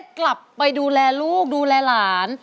กลับไปดูแลลูกดูแลหลาน